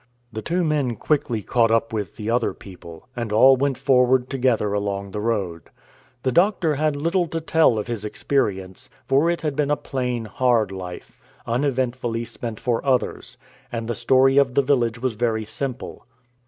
The two men quickly caught up with the other people, and all went forward together along the road. The doctor had little to tell of his experience, for it had been a plain, hard life, uneventfully spent for others, and the story of the village was very simple.